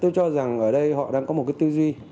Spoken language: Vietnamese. tôi cho rằng ở đây họ đang có một cái tư duy